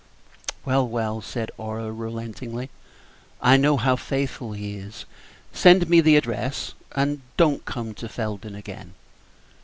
"Well, well," said Aurora, relentingly, "I know how faithful he is. Send me the address, and don't come to Felden again."